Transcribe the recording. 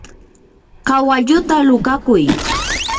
kawalluta luqakuy.